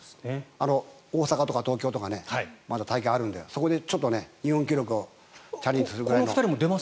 大阪とか東京とかまだ大会があるのでそこでちょっと日本記録をチャレンジするぐらいの。